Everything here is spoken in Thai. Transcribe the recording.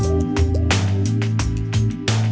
ชื่อฟอยแต่ไม่ใช่แฟง